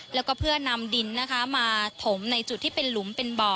แล้วก็เพื่อนำดินนะคะมาถมในจุดที่เป็นหลุมเป็นบ่อ